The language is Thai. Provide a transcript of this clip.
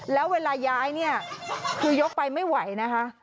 แล้วเวลาย้ายเนี่ยคือยกไปไม่ไหวนะคะ